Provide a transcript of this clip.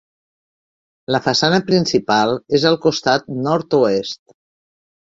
La façana principal és al costat nord-oest.